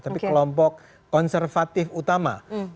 tapi kelompok konservatif utama